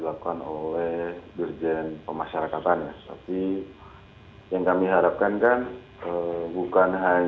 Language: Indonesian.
ya pertama tama saya ingin menyampaikan apresiasi terhadap responsifat yang ini